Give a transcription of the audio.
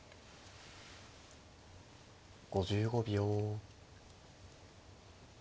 ５５秒。